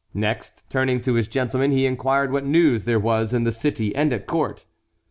Next, turning to his gentlemen, he inquired what news there was in the city and at court.